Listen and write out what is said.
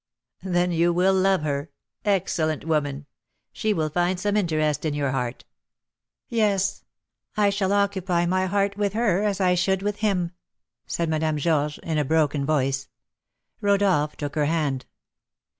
'" "Then you will love her. Excellent woman! she will find some interest in your heart." "Yes, I shall occupy my heart with her as I should with him," said Madame Georges, in a broken voice. Rodolph took her hand.